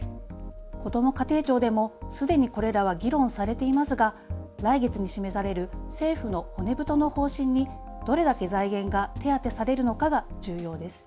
こども家庭庁でもすでにこれらは議論されていますが来月に示される政府の骨太の方針にどれだけ財源が手当てされるのかが重要です。